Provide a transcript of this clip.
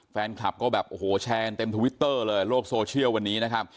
แฟนคลับก็แบบโอ้โหแชร์กันเต็มทวิตเตอร์เลยโลกโซเชียลวันนี้นะครับ